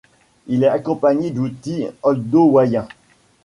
Il est accompagné d'outils oldowayens.